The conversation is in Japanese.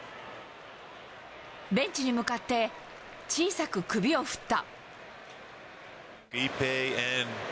ベンチに向かって、小さく首を振った。